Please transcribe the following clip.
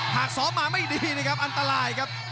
หากซ้อมมาไม่ดีนะครับอันตรายครับ